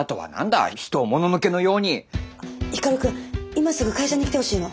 今すぐ会社に来てほしいの。